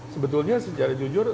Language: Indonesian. sebetulnya secara jujur